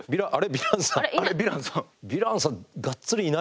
ヴィランさん？